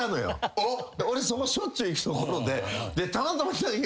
俺そこしょっちゅう行く所で。